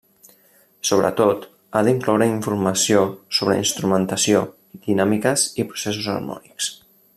Sobretot, ha d'incloure informació sobre instrumentació, dinàmiques i processos harmònics.